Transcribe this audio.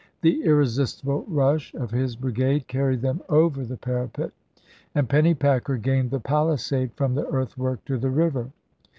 The irresistible rush of his bri gade carried them over the parapet and Penny jan.15,1865. packer gained the palisade from the earthwork to the river.